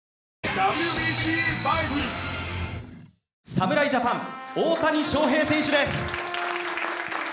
侍ジャパン大谷翔平選手です。